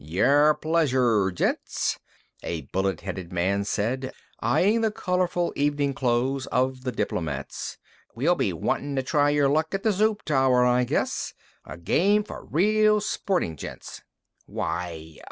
"Your pleasure, gents," a bullet headed man said, eyeing the colorful evening clothes of the diplomats. "You'll be wantin' to try your luck at the Zoop tower, I'd guess. A game for real sporting gents." "Why